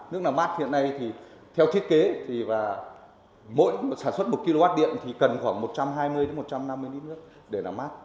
nước làm mát hiện nay thì theo thiết kế thì mỗi sản xuất một kw điện thì cần khoảng một trăm hai mươi một trăm năm mươi lít nước để làm mát